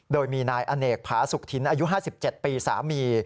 โดยมีนายอเนกผาสุขถิ่นอายุ๕๗ปีสามี